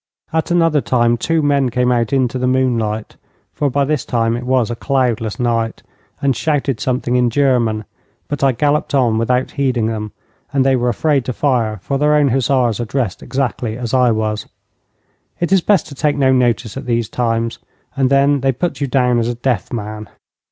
At another time two men came out into the moonlight (for by this time it was a cloudless night) and shouted something in German, but I galloped on without heeding them, and they were afraid to fire, for their own hussars are dressed exactly as I was. It is best to take no notice at these times, and then they put you down as a deaf man.